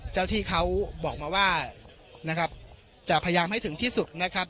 ที่เขาบอกมาว่านะครับจะพยายามให้ถึงที่สุดนะครับ